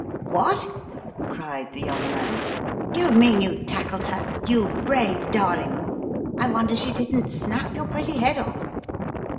"What!" cried the young man. "Do you mean you tackled her — you brave darling. I wonder she didn't snap your pretty head off."